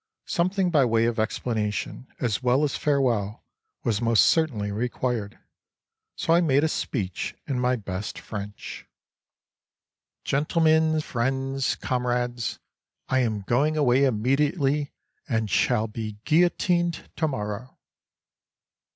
Something by way of explanation as well as farewell was most certainly required, so I made a speech in my best French: "Gentlemen, friends, comrades—I am going away immediately and shall be guillotined tomorrow."